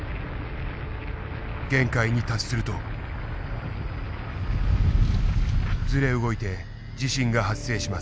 限界に達するとずれ動いて地震が発生します。